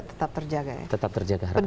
tetap terjaga ya tetap terjaga harapan